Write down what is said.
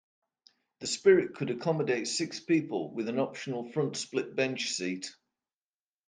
The Spirit could accommodate six people with an optional front split-bench seat.